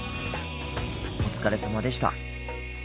お疲れさまでした。